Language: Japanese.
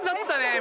今。